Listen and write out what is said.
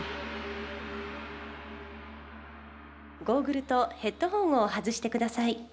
ゴーグルとヘッドホンを外してください。